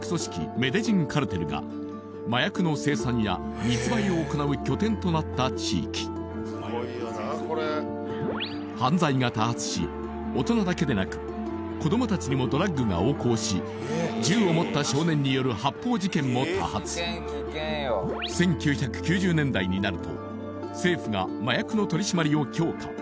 メデジンカルテルが麻薬の生産や密売を行う拠点となった地域犯罪が多発し大人だけでなく子どもたちにもドラッグが横行し銃を持った少年による発砲事件も多発１９９０年代になると政府が麻薬の取り締まりを強化